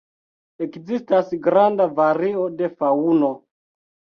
Ekzistas granda vario de faŭno.